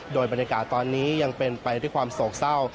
โดยบรรยากาศตอนนี้ยังเป็นไปด้วยความโศกเศร้า